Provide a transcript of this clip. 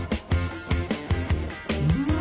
うん！